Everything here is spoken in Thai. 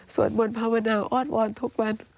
สวดมนต์ภาวนาอ้อนทุกวัน